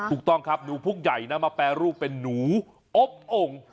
ถูกต้องครับหนูพุกใหญ่นะมาแปรรูปเป็นหนูอบโอ่ง